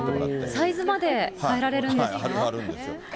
サイズまで変えられるんですか？